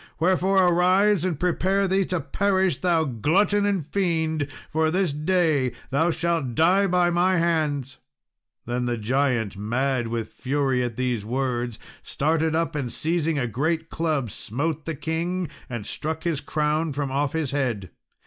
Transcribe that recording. Wherefore arise, and prepare thee to perish, thou glutton and fiend, for this day thou shalt die by my hands." Then the giant, mad with fury at these words, started up, and seizing a great club, smote the king, and struck his crown from off his head.